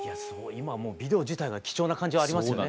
今もうビデオ自体が貴重な感じはありますよね。